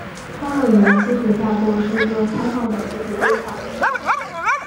通用语言基础架构是一个开放的技术规范。